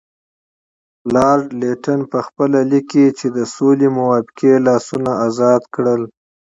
لارډ لیټن پخپله لیکي چې د سولې موافقې لاسونه ازاد کړل.